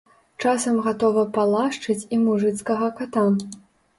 Часам гатова палашчыць і мужыцкага ката.